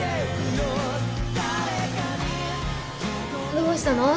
どうしたの？